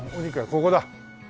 ここだ。